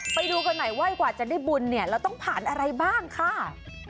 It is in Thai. ไปดูกันหน่อยว่ากว่าจะได้บุญเนี่ยเราต้องผ่านอะไรบ้างค่ะ